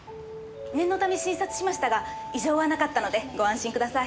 念のため診察しましたが異常はなかったのでご安心ください。